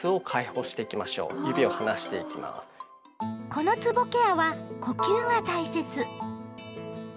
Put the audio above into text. このつぼケアは呼吸が大切。